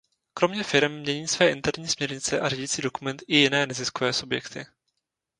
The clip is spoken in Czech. Kromě firem mění své interní směrnice a řídící dokument i jiné neziskové subjekty.